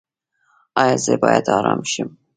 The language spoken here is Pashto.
ایا زه باید ارام شم؟